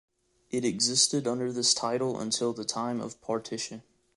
It existed under this title until the time of partition.